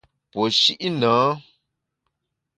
Puo shi’ nâ.